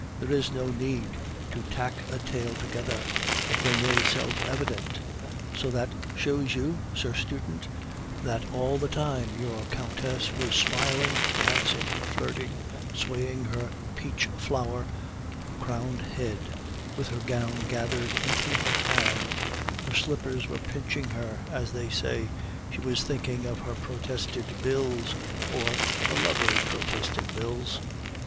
There is no need to tack a tale together; the thing is self evident. So that shows you, sir student, that all the time your Countess was smiling, dancing, flirting, swaying her peach flower crowned head, with her gown gathered into her hand, her slippers were pinching her, as they say; she was thinking of her protested bills, or her lover's protested bills."